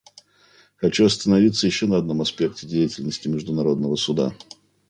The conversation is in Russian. Хочу остановиться еще на одном аспекте деятельности Международного Суда.